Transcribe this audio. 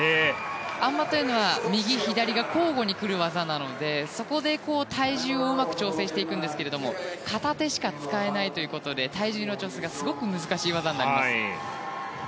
あん馬というのは右左が交互に来る技なのでそこで体重をうまく調整していくんですけれども片手しか使えないということで体重の調整がすごく難しい技になります。